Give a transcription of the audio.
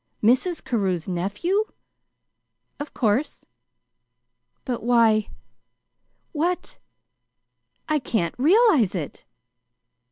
"Mrs. Carew's nephew?" "Of course." "But, why what I can't realize it!"